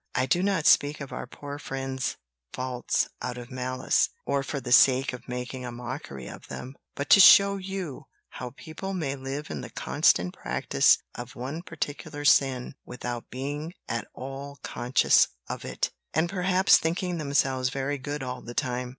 "I do not speak of our poor friends' faults out of malice, or for the sake of making a mockery of them; but to show you how people may live in the constant practice of one particular sin without being at all conscious of it, and perhaps thinking themselves very good all the time.